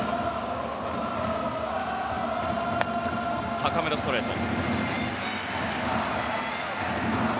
高めのストレート。